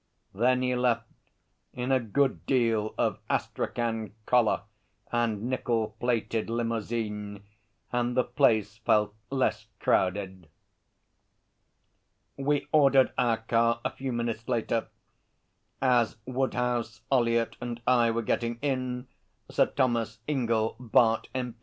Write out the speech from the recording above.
Then he left, in a good deal of astrachan collar and nickel plated limousine, and the place felt less crowded. We ordered our car a few minutes later. As Woodhouse, Ollyett and I were getting in, Sir Thomas Ingell, Bart., M.P.